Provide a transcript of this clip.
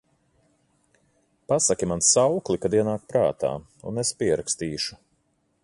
Pasaki man saukli, kad ienāk prātā, un es pierakstīšu…